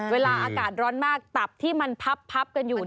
เวลาอากาศร้อนมากตับที่มันพับกันอยู่